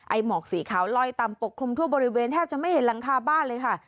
หมอกสีขาวลอยตามปกคลุมทั่วบริเวณแทบจะไม่เห็นหลังคาบ้านเลยค่ะ